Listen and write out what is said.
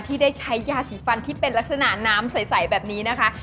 ที่ได้ใช้ยาสีฟันที่เป็นลักษณะน้ำใสแบบนี้นะคะ